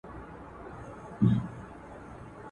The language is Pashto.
سره ورغله دوه مردار، نه د يوه عمل سته، نه د بل کردار.